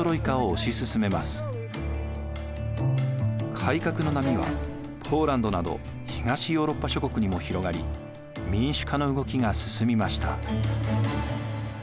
改革の波はポーランドなど東ヨーロッパ諸国にも広がり民主化の動きが進みました。